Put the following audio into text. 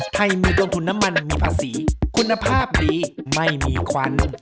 ไทยมีต้นทุนน้ำมันมีภาษีคุณภาพดีไม่มีควัน